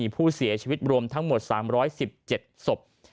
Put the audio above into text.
ผู้เสียชีวิตรวมทั้งหมด๓๑๗ศพ